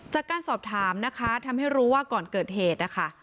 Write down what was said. จากการสอบถามนะคะทำให้รู้ว่าก่อนเกิดเหตุนะคะ